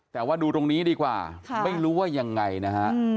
แต่ว่าดูตรงนี้ดีกว่าไม่รู้ว่ายังไงนะฮะ